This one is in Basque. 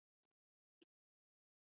Besteak kolpe bat jaso zuen buruan.